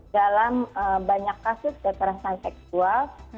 dalam banyak kasus kekerasan seksual